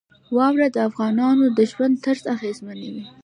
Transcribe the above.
واوره د افغانانو د ژوند طرز اغېزمنوي.